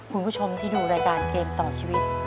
คุณผู้ชมที่ดูรายการเกมต่อชีวิต